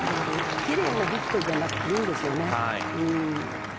きれいなソフトじゃなくていいんですよね。